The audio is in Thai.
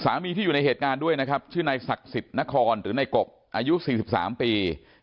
ที่อยู่ในเหตุการณ์ด้วยนะครับชื่อนายศักดิ์สิทธิ์นครหรือในกบอายุ๔๓ปี